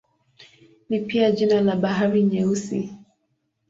Ni pia jina la Bahari Nyeusi.